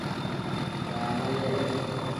Baana yee.